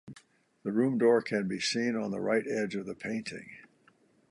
The room door can be seen on the right edge of the painting.